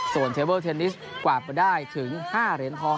ส่วนเทเวิลเทนนิสกวาดมาได้ถึง๕เหรียญทอง